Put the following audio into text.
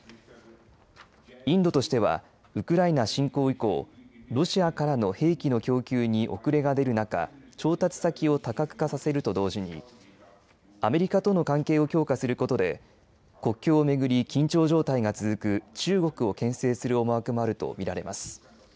インドとしてはウクライナ侵攻以降ロシアからの兵器の供給に遅れが出る中調達先を多角化させると同時にアメリカとの関係を強化することで国境を巡り緊張状態が続く中国をけん制する思惑もあると見られます。